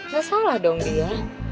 masalah dong dia